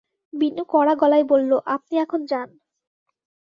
বিনু কড়া গলায় বলল, আপনি এখন যান।